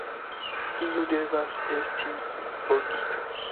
Iu devas esti forigita.